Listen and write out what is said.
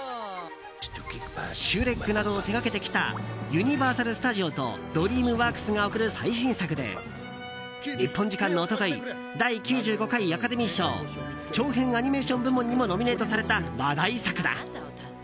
「シュレック」などを手掛けてきたユニバーサル・スタジオとドリームワークスが送る最新作で日本時間の一昨日第９５回アカデミー賞長編アニメーション部門にもノミネートされた話題作だ。